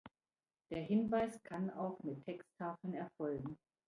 Der Hinweis kann auch mit Texttafeln erfolgen.